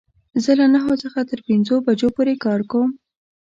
زه له نهو څخه تر پنځو بجو پوری کار کوم